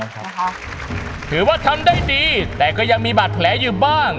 ถือว่าทำได้ดีแต่ก็ยังมีบาดแผลอยู่บ้าง